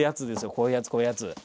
こういうやつこういうやつ。